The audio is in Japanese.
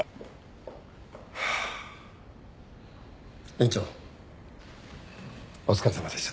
院長お疲れさまでした。